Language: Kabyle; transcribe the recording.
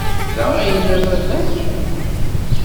Da ay yella baba-k?